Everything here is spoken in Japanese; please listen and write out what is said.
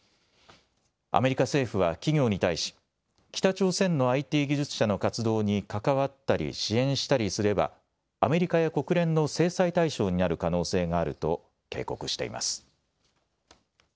アメリカ政府は企業に対し北朝鮮のＩＴ技術者の活動に関わったり支援したりすればアメリカや国連の制裁対象になる可能性があると警告しています。